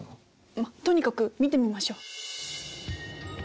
まっとにかく見てみましょう。